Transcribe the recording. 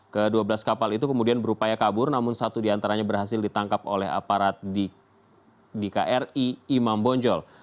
ke dua belas kapal itu kemudian berupaya kabur namun satu di antaranya berhasil ditangkap oleh aparat dkri imam bonjol